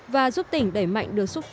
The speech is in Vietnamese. và giúp tỉnh đẩy mạnh được xuất phát